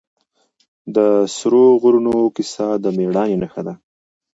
د سرو غرونو کیسه د مېړانې نښه ده.